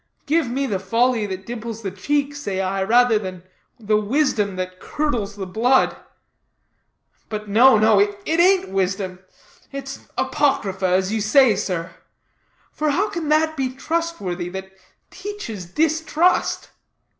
Give me the folly that dimples the cheek, say I, rather than the wisdom that curdles the blood. But no, no; it ain't wisdom; it's apocrypha, as you say, sir. For how can that be trustworthy that teaches distrust?"